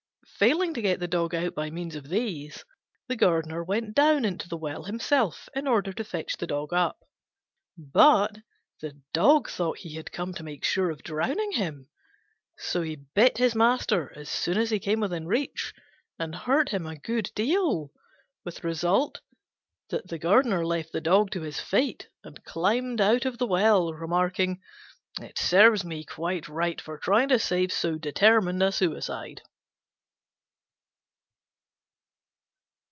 Failing to get the Dog out by means of these, the Gardener went down into the well himself in order to fetch him up. But the Dog thought he had come to make sure of drowning him; so he bit his master as soon as he came within reach, and hurt him a good deal, with the result that he left the Dog to his fate and climbed out of the well, remarking, "It serves me quite right for trying to save so determined a suicide."